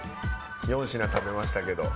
４品食べましたけど。